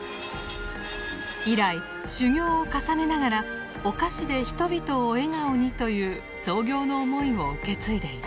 以来修業を重ねながら「お菓子で人々を笑顔に」という創業の思いを受け継いでいる。